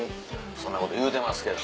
そんなこと言うてますけど。